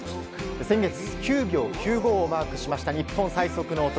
先月、９秒９５をマークしました日本最速の男